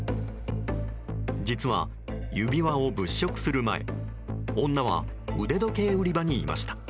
実は指輪を物色する前女は、腕時計売り場にいました。